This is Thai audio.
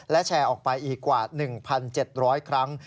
และแชร์ออกไปอีกกว่า๑๗๐๐ครั้ง